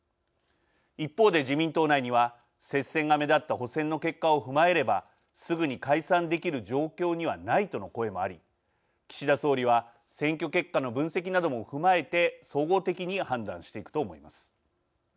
一方で、自民党内には接戦が目立った補選の結果を踏まえればすぐに解散できる状況にはないとの声もあり岸田総理は選挙結果の分析なども踏まえて総合的に判断していくと思います。